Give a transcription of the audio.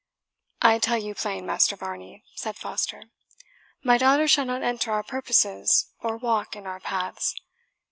"I tell you plain, Master Varney," said Foster, "my daughter shall not enter our purposes or walk in our paths.